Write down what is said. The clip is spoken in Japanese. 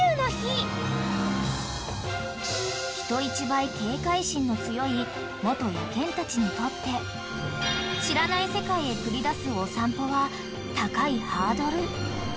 ［人一倍警戒心の強い元野犬たちにとって知らない世界へ繰り出すお散歩は高いハードル］